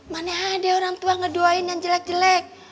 mana dia orang tua ngedoain yang jelek jelek